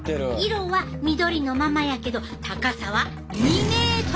色は緑のままやけど高さは２ｍ！